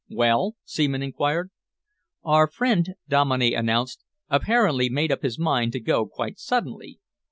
"Well?" Seaman enquired. "Our friend," Dominey announced, "apparently made up his mind to go quite suddenly.